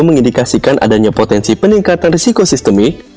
mengindikasikan adanya potensi peningkatan risiko sistemik